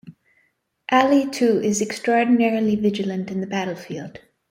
Ali too is extraordinarily vigilant in the battlefield.